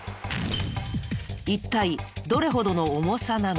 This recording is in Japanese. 一体どれほどの重さなのか？